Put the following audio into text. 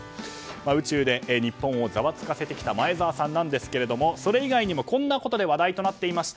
宇宙で日本をざわつかせてきた前澤さんですがそれ以外にもこんなことで話題となっていました。